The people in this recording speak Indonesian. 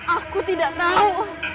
aku tidak tahu